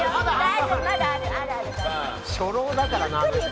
初老だからなあの人。